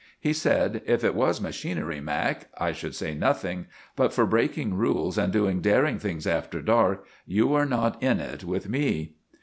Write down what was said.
He said, "If it was machinery, Mac., I should say nothing; but for breaking rules and doing daring things after dark you are not in it with me."